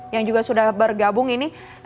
yang juga sudah bergabung ini